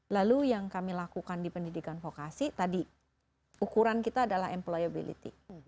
lalu yang kami lakukan di pendidikan vokasi tadi ukuran kita adalah employability